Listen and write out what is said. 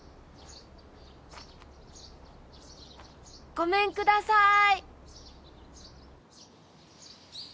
ごめんください！